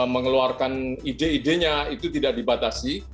mengeluarkan ide idenya itu tidak dibatasi